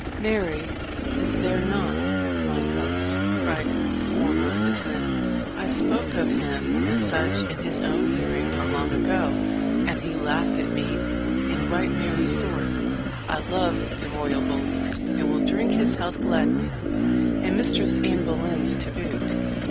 "Marry, is there not, mine host;" cried the foremost attendant. "I spoke of him as such in his own hearing not long ago, and he laughed at me in right merry sort. I love the royal bully, and will drink his health gladly, and Mistress Anne Boleyn's to boot."